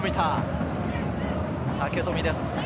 武富です。